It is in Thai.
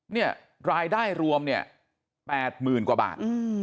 เนี่ยรายได้รวมเนี่ย๘๐๐๐กว่าบาท